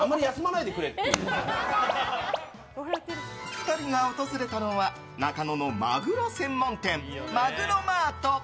２人が訪れたのは中野のマグロ専門店マグロマート。